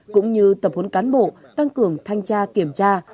cũng như tập huấn cán bộ tăng cường thanh tra kiểm tra